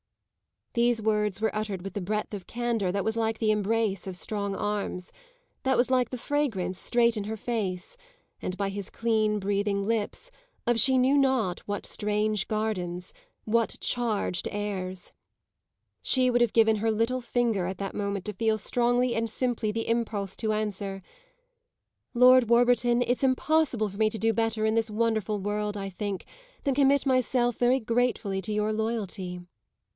These words were uttered with a breadth of candour that was like the embrace of strong arms that was like the fragrance straight in her face, and by his clean, breathing lips, of she knew not what strange gardens, what charged airs. She would have given her little finger at that moment to feel strongly and simply the impulse to answer: "Lord Warburton, it's impossible for me to do better in this wonderful world, I think, than commit myself, very gratefully, to your loyalty."